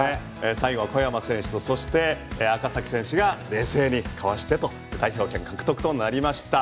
最後は小山選手そして赤崎選手が冷静にかわして代表権獲得となりました。